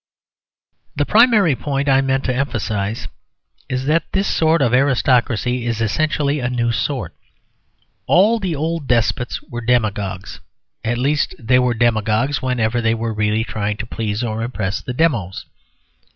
The primary point I meant to emphasise is that this sort of aristocracy is essentially a new sort. All the old despots were demagogues; at least, they were demagogues whenever they were really trying to please or impress the demos.